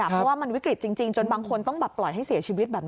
เพราะว่ามันวิกฤตจริงจนบางคนต้องแบบปล่อยให้เสียชีวิตแบบนี้